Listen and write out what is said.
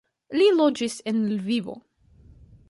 Li loĝis en Lvivo.